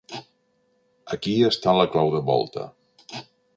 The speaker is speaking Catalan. Aquí està la clau de volta.